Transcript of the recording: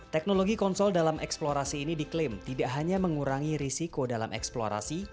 teknologi konsol dalam eksplorasi ini diklaim tidak hanya mengurangi risiko dalam eksplorasi